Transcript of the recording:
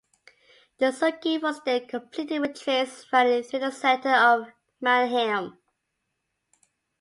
The circuit was then completed with trains running through the centre of Mannheim.